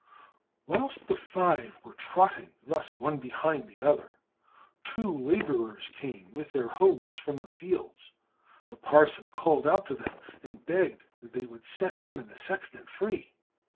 Whilst the five were trotting thus one behind the other, two labourers came with their hoes from the fields; the parson called out to them and begged that they would set him and the sexton free.